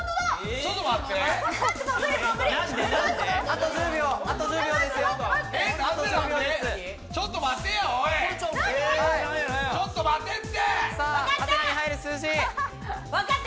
ちょっと待てって！